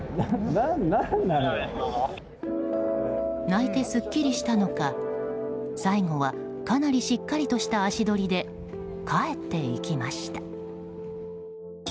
泣いてすっきりしたのか最後は、かなりしっかりとした足取りで帰っていきました。